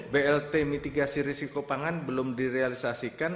blt mitigasi risiko pangan belum direalisasikan